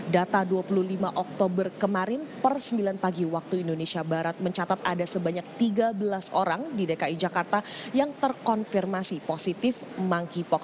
data dua puluh lima oktober kemarin per sembilan pagi waktu indonesia barat mencatat ada sebanyak tiga belas orang di dki jakarta yang terkonfirmasi positif monkeypox